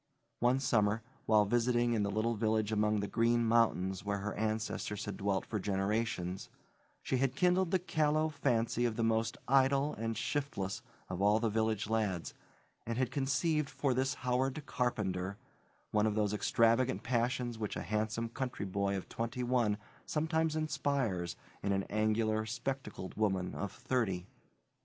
One summer, while visiting in the little village among the Green Mountains where her ancestors had dwelt for generations, she had kindled the callow fancy of the most idle and shiftless of all the village lads, and had conceived for this Howard Carpenter one of those extravagant passions which a handsome country boy of twenty one sometimes inspires in an angular, spectacled woman of thirty.